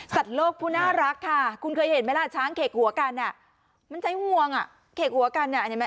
โลกผู้น่ารักค่ะคุณเคยเห็นไหมล่ะช้างเขกหัวกันมันใช้งวงอ่ะเขกหัวกัน